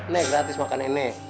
nih gratis makan ini